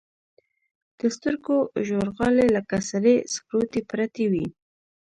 د سترګو ژورغالي لكه سرې سكروټې پرتې وي.